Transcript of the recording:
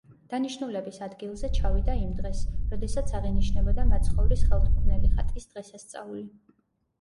დანიშნულების ადგილზე ჩავიდა იმ დღეს, როდესაც აღინიშნებოდა მაცხოვრის ხელთუქმნელი ხატის დღესასწაული.